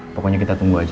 pokoknya kita tunggu aja